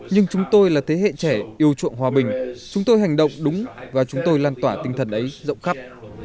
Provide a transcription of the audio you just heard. nhưng chúng tôi là thế hệ trẻ yêu chuộng hòa bình chúng tôi hành động đúng và chúng tôi lan tỏa tinh thần ấy rộng khắp